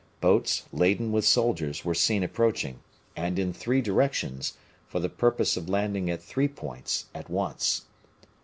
Boats, laden with soldiers, were seen approaching; and in three directions, for the purpose of landing at three points at once.